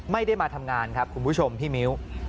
ไม่ได้มาทำงานครับคุณผู้ชมพี่มิ้ว